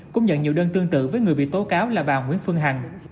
cũng nhận nhiều đơn tương tự với người bị tố cáo là bà nguyễn phương hằng